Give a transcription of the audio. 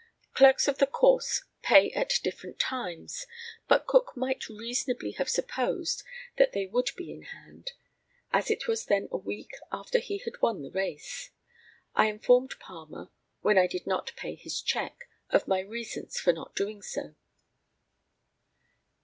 Clerks of the course pay at different times. But Cook might reasonably have supposed that they would be in hand, as it was then a week after he had won the race. I informed Palmer, when I did not pay his cheque, of my reasons for not doing so.